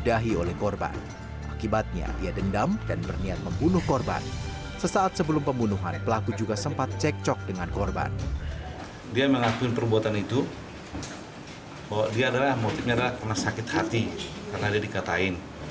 dia adalah motifnya adalah sakit hati karena dia dikatain